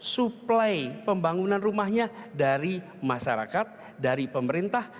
suplai pembangunan rumahnya dari masyarakat dari pemerintah